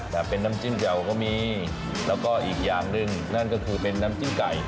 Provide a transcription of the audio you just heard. แต่เป็นน้ำจิ้มแจ่วก็มีแล้วก็อีกอย่างหนึ่งนั่นก็คือเป็นน้ำจิ้มไก่